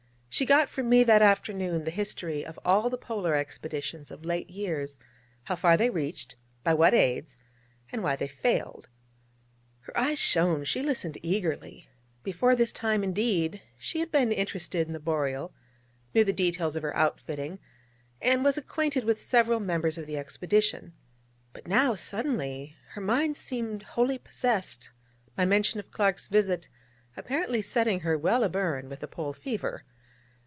She got from me that afternoon the history of all the Polar expeditions of late years, how far they reached, by what aids, and why they failed. Her eyes shone; she listened eagerly. Before this time, indeed, she had been interested in the Boreal, knew the details of her outfitting, and was acquainted with several members of the expedition. But now, suddenly, her mind seemed wholly possessed, my mention of Clark's visit apparently setting her well a burn with the Pole fever.